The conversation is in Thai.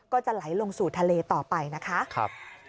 ก็จะไหลลงสู่ทะเลต่อไปนะคะ